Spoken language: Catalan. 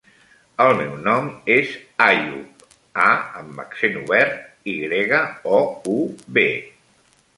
El meu nom és Àyoub: a amb accent obert, i grega, o, u, be.